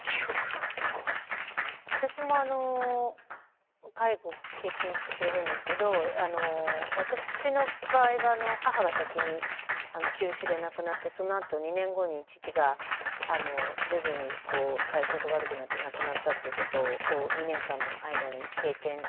私も介護経験してるんですけど私の場合は母が先に急死で亡くなってそのあと２年後に父が徐々に体調が悪くなって亡くなったっていうことを２年間の間に経験したんですけど。